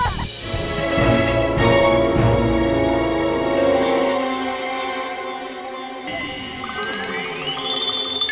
jangan nanti pecah